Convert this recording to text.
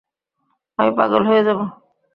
আমি পাগল হয়ে যাব।